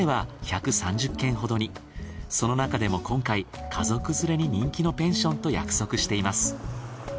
その中でも今回家族連れに人気のペンションと約束しています。